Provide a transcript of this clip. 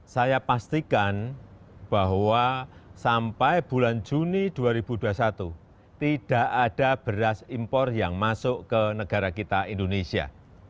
saya pastikan bahwa sampai bulan juni dua ribu dua puluh satu tidak ada beras impor yang masuk ke negara kita indonesia